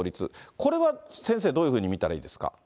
これは先生、どういうふうに見たらいいですか。